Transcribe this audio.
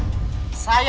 bapak bapak semuanya ya